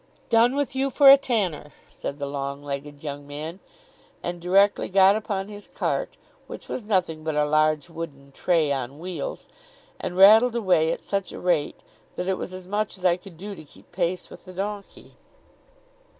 'Done with you for a tanner!' said the long legged young man, and directly got upon his cart, which was nothing but a large wooden tray on wheels, and rattled away at such a rate, that it was as much as I could do to keep pace with the donkey.